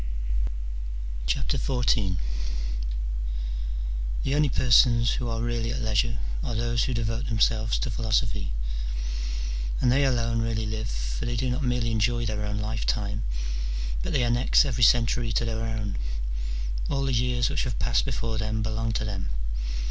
XIV. The only persons who are really at leisure are those who devote themselves to philosophy: and they alone really live : for they do not merely enjoy their own life time, but they annex every century to their own : all the years which have passed before them belong to them.